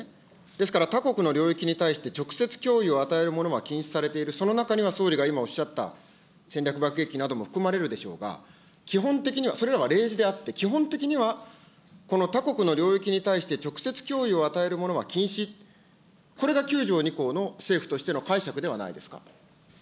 ですから、他国の領域に対して直接脅威を与えるものは禁止されている、その中には総理が今おっしゃった戦略爆撃機なども含まれるでしょうが、基本的にはそれらは例示であって、基本的には、この他国の領域に対して、直接脅威を与えるものは禁止、これが９条２項の政府としての解釈ではないですか。